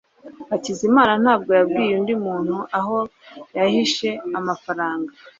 Hakizamana ntabwo yabwiye undi muntu aho yahishe amafaranga.